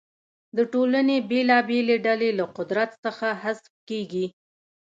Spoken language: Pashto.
د ټولنې بېلابېلې ډلې له قدرت څخه حذف کیږي.